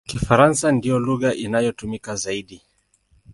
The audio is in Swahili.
Kifaransa ndiyo lugha inayotumika zaidi.